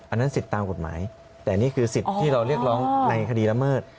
อันนั้นสิทธิ์ตามกฎหมายแต่นี่คือสิทธิ์ที่เราเรียกร้องในคดีละเมิด